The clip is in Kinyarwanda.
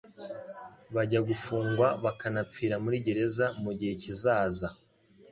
bajya gufungwa bakanapfira muri gereza mu gihe kizaza,